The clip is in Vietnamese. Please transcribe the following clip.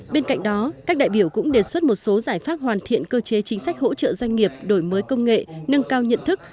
bên cạnh đó các đại biểu cũng đề xuất một số giải pháp hoàn thiện cơ chế chính sách hỗ trợ doanh nghiệp đổi mới công nghệ nâng cao nhận thức